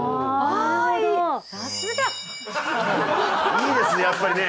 いいですねやっぱりね。